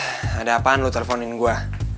hehh ada apaan lu teleponin gua